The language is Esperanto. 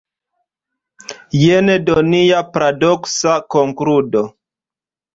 Jen do nia paradoksa konkludo.